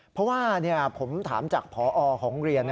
เพราะว่าผมถามจากพอของโรงเรียน